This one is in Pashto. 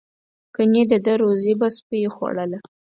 گني د ده روزي به سپیو خوړله.